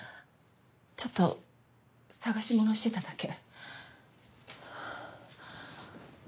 ちょっと探し物してただけ。